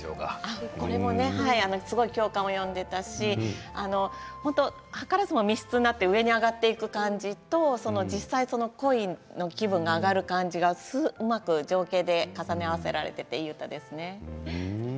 これも共感を呼んでいたし図らずも密室になって上に上がっていく感じと実際に恋の気分が上がる感じがうまく情景で重ね合わせられてですですね。